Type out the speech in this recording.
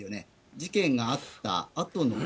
事件があったあとの話？